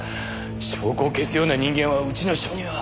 証拠を消すような人間はうちの署には。